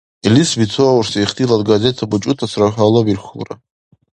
Иличил бетаурси ихтилат газета бучӀутасра гьалабирхьулра.